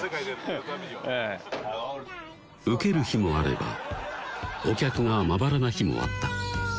ウケる日もあればお客がまばらな日もあった